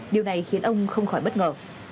điều này khiến ông không khỏi bất ngờ